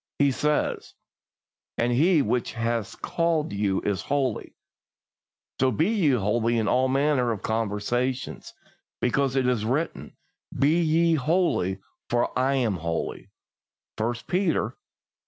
He says: "As He which hath called you is holy, so be ye holy in all manner of conversation; because it is written, Be ye holy, for I am holy" (1 Peter i.